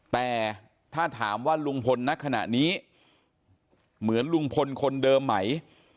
แต่ถ้าถามว่าลุงพลณขณะนี้เหมือนลุงพลคนเดิมไหม